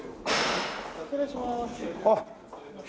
失礼します。